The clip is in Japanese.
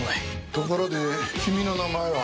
ところで君の名前は？